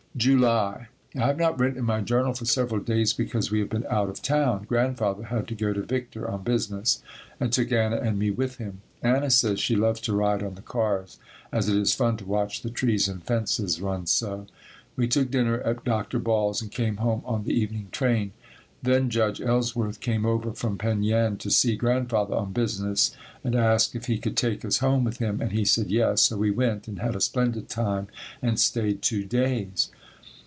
July. I have not written in my journal for several days because we have been out of town. Grandfather had to go to Victor on business and took Anna and me with him. Anna says she loves to ride on the cars as it is fun to watch the trees and fences run so. We took dinner at Dr. Ball's and came home on the evening train. Then Judge Ellsworth came over from Penn Yan to see Grandfather on business and asked if he could take us home with him and he said yes, so we went and had a splendid time and stayed two days.